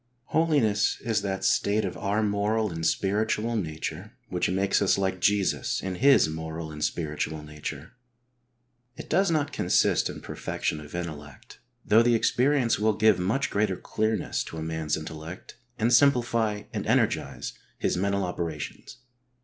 H oliness is that state of our moral and spiritual nature which makes us like Jesus in His moral and spiritual nature. It does not consist in perfection of intellect, though the experience will give much greater clearness to a man's intellect and simplify and energise his mental operations.